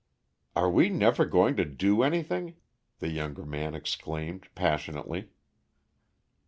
"Are we never going to do anything?" the younger man exclaimed passionately.